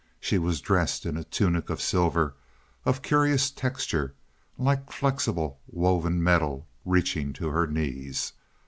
She was dressed in a tunic of silver, of curious texture, like flexible woven metal, reaching to her knees.